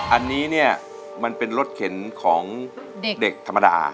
อันนี้เนี่ยมันเป็นรถเข็นของเด็กธรรมดา